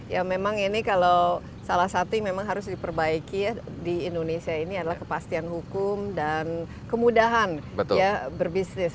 ya memang ini kalau salah satu yang memang harus diperbaiki di indonesia ini adalah kepastian hukum dan kemudahan ya berbisnis